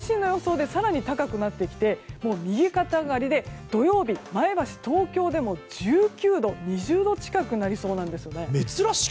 最新の予想で更に高くなってきてもう右肩上がりで土曜日は前橋、東京でも１９度、２０度近くになりそうなんですね。